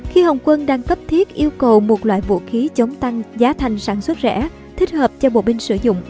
khi hồng quân đang cấp thiết yêu cầu một loại vũ khí chống tăng giá thành sản xuất rẻ thích hợp cho bộ binh sử dụng